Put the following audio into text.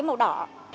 cái màu đỏ